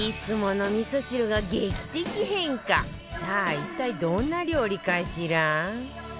さあ一体どんな料理かしら？